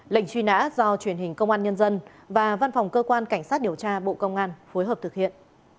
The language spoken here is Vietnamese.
lệnh truy nã do truyền hình công an nhân dân và văn phòng cơ quan cảnh sát điều tra bộ công an phối hợp thực hiện